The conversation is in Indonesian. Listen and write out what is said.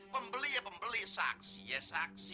pembeli ya pembeli saksi ya saksi